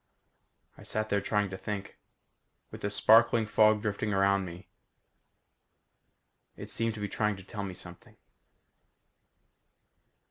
I sat there trying to think. With the sparkling fog drifting around me. It seemed to be trying to tell me something.